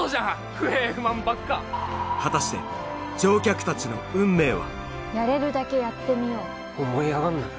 不平不満ばっか果たしてやれるだけやってみよう思い上がんなよ